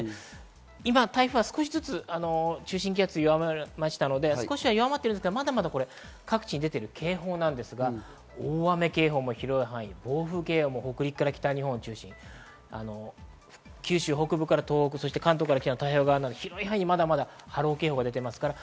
今、台風は少しずつ中心気圧が弱まりましたので、少し弱まっていますが、まだまだ各地に出ている警報なんですが、大雨警報も広い範囲、暴風警報も北陸から北日本中心、九州北部から東北、関東から北の太平洋側など広い範囲にまだまだ波浪警報が出ています。